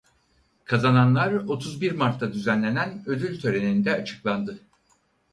Kazananlar otuz bir Mart'ta düzenlenen ödül töreninde açıklandı.